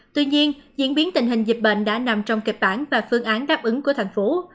tuy nhiên diễn biến tình hình dịch bệnh đã nằm trong kịch bản và phương án đáp ứng của thành phố